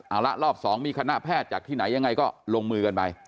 เอาละรอบ๒มีคณะแพทย์จากที่ไหนยังไงก็ลงมือกันไป